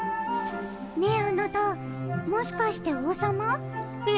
ねえあなたもしかして王様？え？